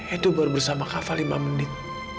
edo baru bersama kak fadil lima menit